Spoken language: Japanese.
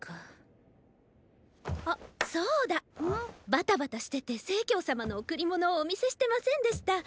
バタバタしてて成様の贈り物をお見せしてませんでした。